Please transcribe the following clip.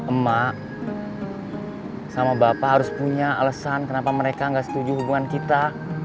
emak sama bapak harus punya alasan kenapa mereka nggak setuju hubungan kita